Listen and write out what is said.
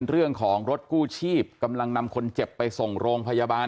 เรื่องของรถกู้ชีพกำลังนำคนเจ็บไปส่งโรงพยาบาล